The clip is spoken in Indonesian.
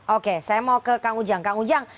oke saya mau ke kang ujang